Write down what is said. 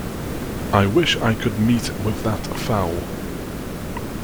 I wish I could meet with that fowl.